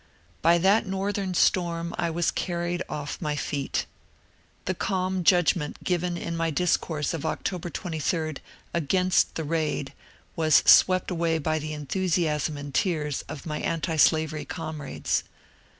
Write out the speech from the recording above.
By that Northern storm I was carried o£E my feet. The calm judgment given in my discourse of October 28 against the raid was swept away by the enthusiasm and tears of my antislavery comrades.